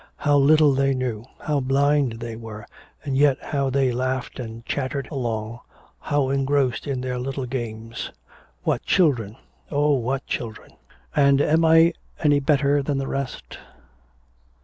How little they knew, how blind they were, and yet how they laughed and chattered along, how engrossed in their little games. What children, oh, what children! "And am I any better than the rest?